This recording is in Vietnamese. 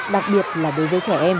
đặc biệt là đối với cháu học sinh